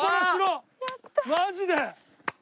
マジで！